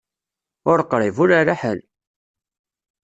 Ur qṛib, ur ɛla ḥal!